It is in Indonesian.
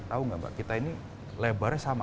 tahu nggak mbak kita ini lebarnya sama